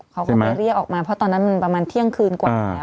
เขาก็ไปเรียกออกมาเพราะตอนนั้นมันประมาณเที่ยงคืนกว่าแล้ว